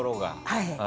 はい。